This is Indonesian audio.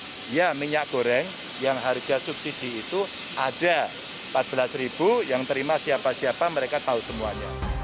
karena minyak goreng yang harga subsidi itu ada rp empat belas yang terima siapa siapa mereka tahu semuanya